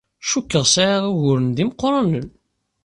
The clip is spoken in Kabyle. Cukkteɣ sɛiɣ uguren d imeqranen.